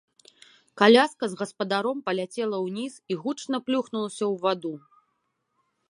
Каляска з гаспадаром паляцела ўніз і гучна плюхнулася ў ваду.